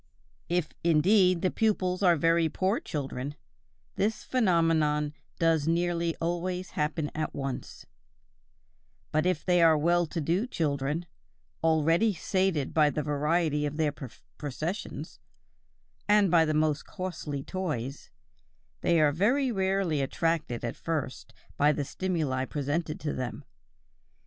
If, indeed, the pupils are very poor children, this phenomenon does nearly always happen at once; but if they are well to do children, already sated by the variety of their possessions, and by the most costly toys, they are very rarely attracted at first by the stimuli presented to them.